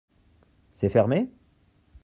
C’est fermé ?